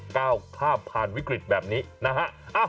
ก้าวข้ามผ่านวิกฤตแบบนี้นะฮะ